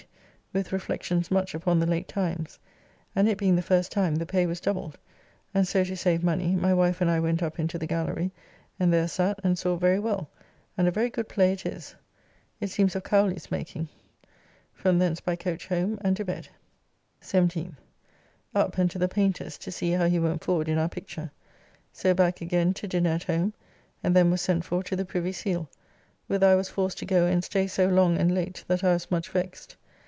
] made in the year 1658, with reflections much upon the late times; and it being the first time, the pay was doubled, and so to save money, my wife and I went up into the gallery, and there sat and saw very well; and a very good play it is. It seems of Cowly's making. From thence by coach home, and to bed. 17th. Up and to the Paynter's to see how he went forward in our picture. So back again to dinner at home, and then was sent for to the Privy Seal, whither I was forced to go and stay so long and late that I was much vexed.